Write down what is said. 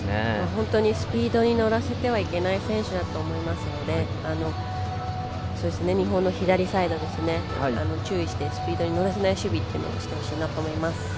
本当にスピードに乗らせてはいけない選手だと思いますので日本の左サイド、注意してスピードに乗らせない守備をしてほしいと思います。